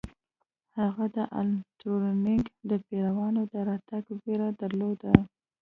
هغه د الن ټورینګ د پیریان د راتګ ویره درلوده